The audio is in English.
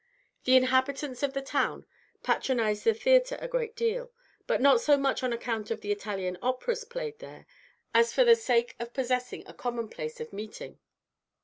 The inhabitants of the town patronise the theatre a great deal, but not so much on account of the Italian operas played there, as for the sake of possessing a common place of meeting.